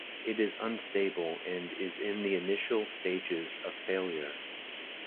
It is unstable and is in the initial stages of failure.